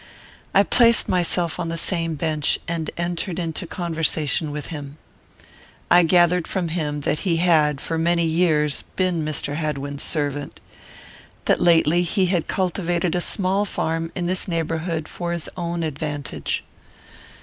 I placed myself on the same bench, and entered into conversation with him. I gathered from him that he had, for many years, been Mr. Hadwin's servant. That lately he had cultivated a small farm in this neighbourhood for his own advantage.